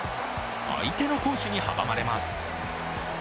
相手の好守に阻まれます。